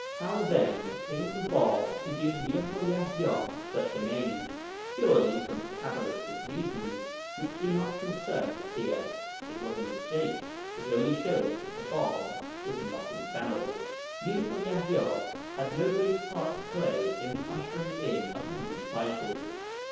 How, then, came the Bāb to give Mirza Yaḥya such a name? Purely from cabbalistic reasons which do not concern us here. It was a mistake which only shows that the Bāb was not infallible. Mirza Yaḥya had no great part to play in the ushering in of the new cycle.